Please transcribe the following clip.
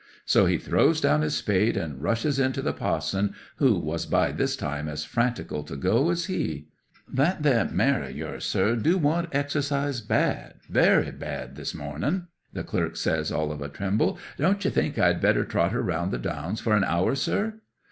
So he throws down his spade and rushes in to the pa'son, who was by this time as frantical to go as he. '"That there mare of yours, sir, do want exercise bad, very bad, this morning!" the clerk says, all of a tremble. "Don't ye think I'd better trot her round the downs for an hour, sir?"